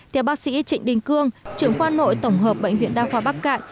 theo bác sĩ trịnh đình cương trưởng khoa nội tổng hợp bệnh viện đa khoa bắc cạn